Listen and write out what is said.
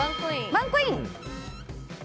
ワンコイン。